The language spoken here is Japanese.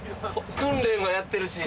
訓練はやってるし。